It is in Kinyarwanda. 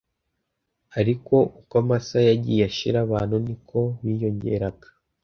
ariko uko amasaha yagiye ashira abantu ni ko biyongeraga